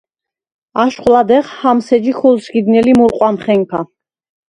აშხვ ლადეღ ჰამს ეჯი ქოლსგიდნელი მურყვამხენქა.